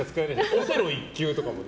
オセロ１級とかもね。